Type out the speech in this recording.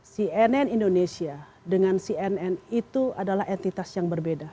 cnn indonesia dengan cnn itu adalah entitas yang berbeda